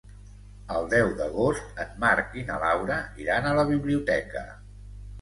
El deu d'agost en Marc i na Laura iran a la biblioteca.